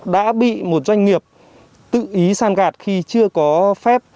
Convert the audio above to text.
đã bị một doanh nghiệp tự ý san gạt khi chưa có phép